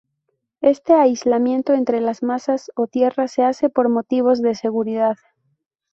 Este aislamiento entre las masas o tierra se hace por motivos de seguridad.